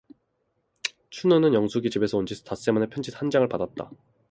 춘우는 영숙의 집에서 온 지 닷새만에 편지 한 장을 받았다.